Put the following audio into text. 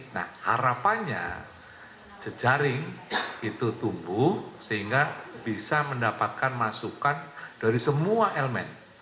nah harapannya jejaring itu tumbuh sehingga bisa mendapatkan masukan dari semua elemen